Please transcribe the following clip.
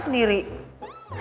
sini eksing ini decep